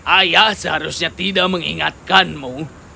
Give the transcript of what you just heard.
ayah seharusnya tidak mengingatkanmu